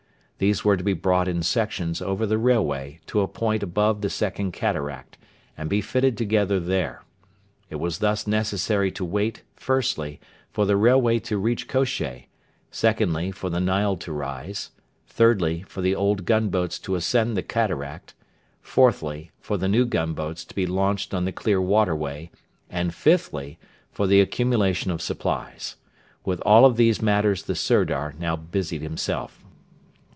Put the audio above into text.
These were to be brought in sections over the railway to a point above the Second Cataract, and be fitted together there. It was thus necessary to wait, firstly, for the railway to reach Kosheh; secondly, for the Nile to rise; thirdly, for the old gunboats to ascend the Cataract; fourthly, for the new gunboats to be launched on the clear waterway; and, fifthly, for the accumulation of supplies. With all of these matters the Sirdar now busied himself.